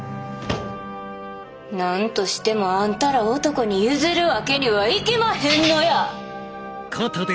何としてもあんたら男に譲るわけにはいきまへんのや！